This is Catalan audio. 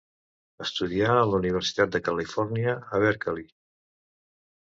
Estudià a la Universitat de Califòrnia a Berkeley.